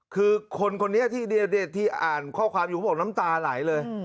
คือคนคนนี้ที่อ่านข้อความอยู่เขาบอกน้ำตาไหลเลย